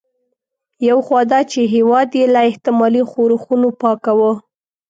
یو خو دا چې هېواد یې له احتمالي ښورښونو پاکاوه.